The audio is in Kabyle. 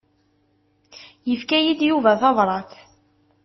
Yefka-yi-d Yuba tabrat.